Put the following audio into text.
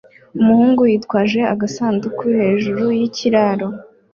Umuhungu yitwaje agasanduku hejuru yikiraro